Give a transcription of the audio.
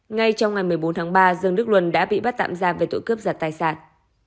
ngay trong ngày một mươi bốn tháng ba dương đức luân đã bị bắt tạm giam về tội cướp giật tài sản